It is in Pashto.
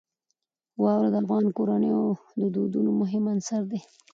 واوره د افغان کورنیو د دودونو مهم عنصر دی.